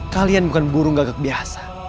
kalian bukan burung gagak biasa